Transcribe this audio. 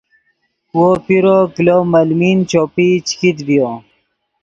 وو پیرو کلو ملمین چوپئی چے کیت ڤیو